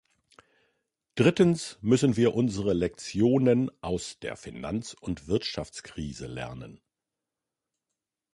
Drittens müssen wir unsere Lektionen aus der Finanz- und Wirtschaftskrise lernen.